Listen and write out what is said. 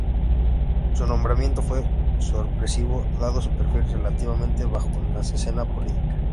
Su nombramiento fue sorpresivo, dado su perfil relativamente bajo en la escena política.